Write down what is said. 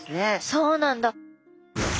そうなんだ。